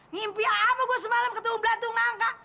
ngimpi apa gue semalem ketumbelan tunggang